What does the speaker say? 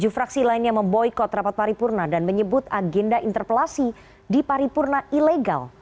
tujuh fraksi lainnya memboykot rapat paripurna dan menyebut agenda interpelasi di paripurna ilegal